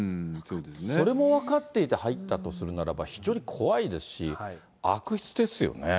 それも分かっていて入ったとするならば、非常に怖いですし、悪質ですよね。